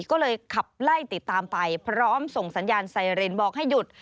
ก็เลยขับไล่ติดตามไปพร้อมส่งสัญญาณไซเรนบอกให้หยุด